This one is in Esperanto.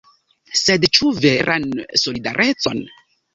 Sed ĉu veran solidarecon?